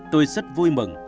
tôi rất vui mừng